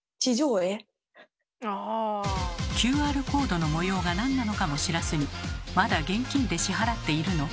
ＱＲコードの模様がなんなのかも知らずに「まだ現金で支払っているの？」